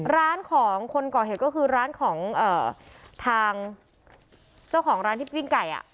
ร้านของคนก่อเหตุก็คือร้านของทางเจ้าของร้านที่ปิ้งไก่